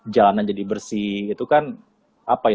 jalanan jadi bersih itu kan apa ya